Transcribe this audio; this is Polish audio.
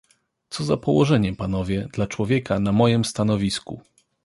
"Co za położenie, panowie, dla człowieka na mojem stanowisku!"